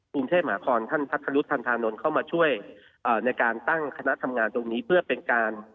กรุงเทพมหาคอนท่านพัทธรุษทันธานนท์เข้ามาช่วยในการตั้งคณะทำงานตรงนี้เพื่อเป็นการ